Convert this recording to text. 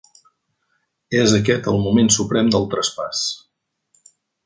És aquest el moment suprem del traspàs.